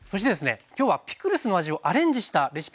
今日はピクルスの味をアレンジしたレシピもご紹介頂きます。